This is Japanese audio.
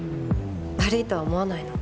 悪いとは思わないの？